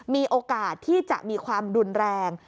มีโอกาสที่จะมีความรุนแรง